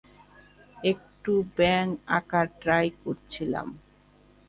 একটু ব্যাঙ আঁকার ট্রাই করছিলাম।